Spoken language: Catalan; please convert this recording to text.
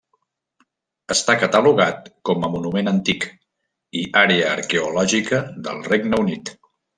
Està catalogat com a monument antic i àrea arqueològica del Regne Unit.